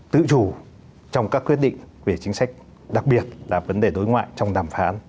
tự chủ trong các quyết định về chính sách đặc biệt là vấn đề đối ngoại trong đàm phán